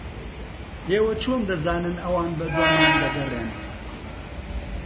ئێوە چۆن دەزانن ئەوان بەدوامان دەگەڕێن؟